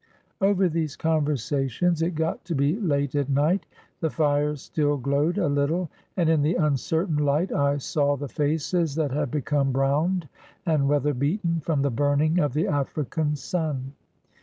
Over these conversations it got to be late at night; the fires still glowed a Httle, and in the uncertain light I saw the faces that had become browned and weatherbeaten from the burning of the African sun.